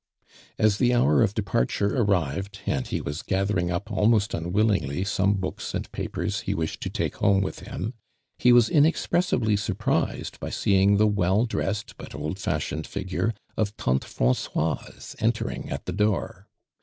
As tlio hour ol' de parture aiTivod, aiul lio was gatlieriug up almost unwillingly soino books and papers }jo wished to tak»! Iionio with him, lie was inexprowsibly surprised by seeing the well dressed but old i'ashioncd figure of tnnte Francoiso <'ntering at the door.